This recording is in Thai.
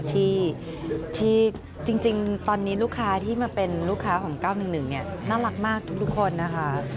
ที่จริงตอนนี้ลูกค้าที่มาเป็นลูกค้าของ๙๑๑เนี่ยน่ารักมากทุกคนนะคะ